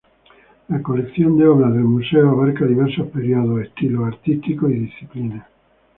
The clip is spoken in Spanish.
La colección de obras del museo abarca diversos periodos, estilos artísticos y disciplinas.